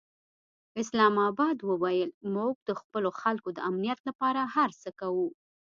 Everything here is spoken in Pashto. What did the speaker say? اسلام اباد وویل، موږ د خپلو خلکو د امنیت لپاره هر څه کوو.